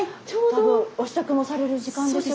多分お支度もされる時間でしょうし。